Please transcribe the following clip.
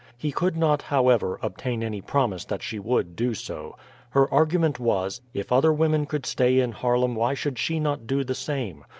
He could not, however, obtain any promise that she would do so. Her argument was, if other women could stay in Haarlem why should she not do the same.